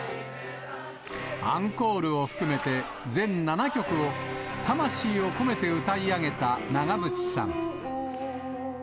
アンコールを含めて全７曲を魂を込めて歌い上げた長渕さん。